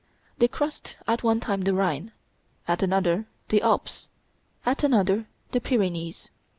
They crossed at one time the Rhine, at another the Alps, at another the Pyrenees.